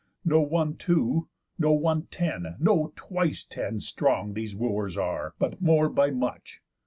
No one two, no one ten, no twice ten, strong These Wooers are, but more by much.